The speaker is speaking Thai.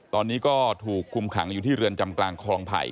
ตอนนี้ก็ถูกคุมขังอยู่ที่เรือนจำกลางคลองไผ่